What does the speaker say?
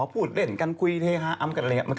อ๋อพูดเล่นการคุยเทฮะอำกั้นอะไรอย่างนี้